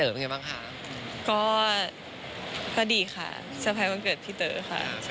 บ๊วยงไม่รู้ว่าเขาเป็นห่วงไหมอ่ะ